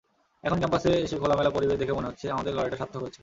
এখন ক্যাম্পাসে এসে খোলামেলা পরিবেশ দেখে মনে হচ্ছে আমাদের লড়াইটা সার্থক হয়েছে।